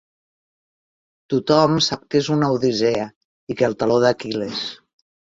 Tothom sap què és una odissea i què el taló d'Aquil·les.